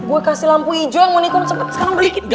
gue kasih lampu hijau yang mau nikon sekarang berhikim